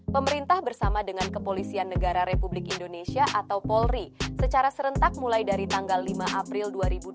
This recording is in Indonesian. pemerintah bersama dengan kepolisian negara republik indonesia atau polri secara serentak mulai dari tanggal lima april dua ribu dua puluh